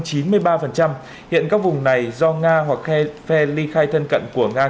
hiện các vùng này do nga hoặc phe ly khai thân cận của nga